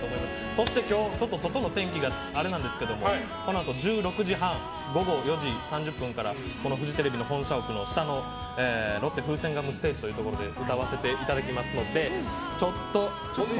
そして今日、外の天気があれなんですけどもこのあと１６時半午後４時３０分からフジテレビの本社屋の下のロッテふせんガムステージというところで歌わせていただきますので。